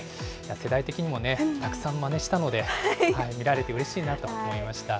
世代的にもたくさんまねしたので、見られてうれしいなと思いました。